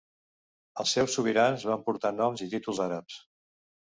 Els seus sobirans van portar noms i títols àrabs.